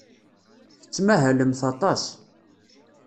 Tettmahalemt aṭas.